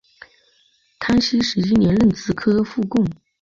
康熙十一年壬子科副贡。